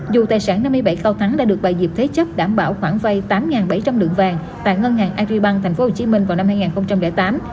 dù tài sản năm mươi bảy cao thắng đã được bà diệp thế chấp đảm bảo khoản vay tám bảy trăm linh lượng vàng tại ngân hàng agribank tp hcm vào năm hai nghìn tám